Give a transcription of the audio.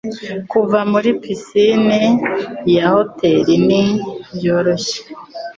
kuva muri pisine ya hoteri ni byoroshye